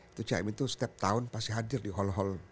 itu caimin setiap tahun pasti hadir di hall hall